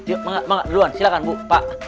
yuk silahkan bu pak